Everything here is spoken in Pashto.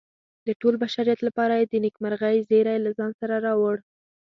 د ټول بشریت لپاره یې د نیکمرغۍ زیری له ځان سره راوړ.